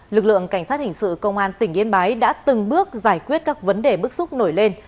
lực lượng cảnh sát hình sự công an tỉnh yên bái đã từng bước giải quyết các vấn đề bức xúc nổi lên